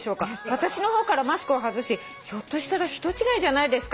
「私の方からマスクを外しひょっとしたら人違いじゃないですか？